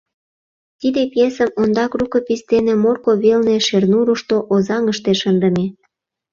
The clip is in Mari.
Тиде пьесым ондак рукопись дене Морко велне, Шернурышто, Озаҥыште шындыме.